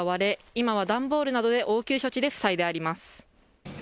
今はダンボールなどで応急処置で塞いであります。